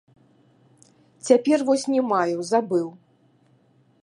Цяпер вось не маю, забыў.